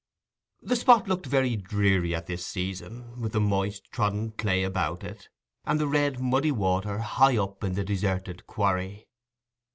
The spot looked very dreary at this season, with the moist trodden clay about it, and the red, muddy water high up in the deserted quarry.